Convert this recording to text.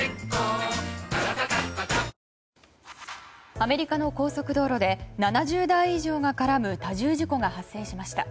アメリカの高速道路で７０台以上が絡む多重事故が発生しました。